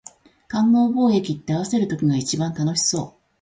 勘合貿易って、合わせる時が一番楽しそう